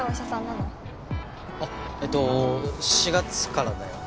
あっえーっと４月からだよ。